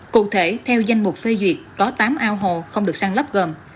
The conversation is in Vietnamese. cụ thể theo danh mục phê duyệt có tám ao hồ không được sáng lắp gồm